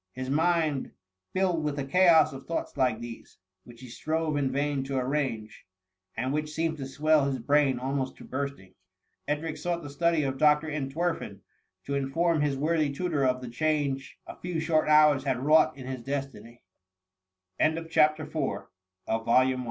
His mind filled with a chaos of thoughts like these^ which he strove in vain to arrange, and which seemed to swell his brain almost to bursting, Edric sought the study of Dr. Entwerfen to inform his worthy tutor of the change a few short hours had wrought in his d